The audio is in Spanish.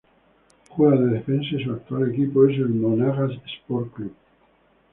Juega de Defensa y su actual equipo es el Monagas Sport Club.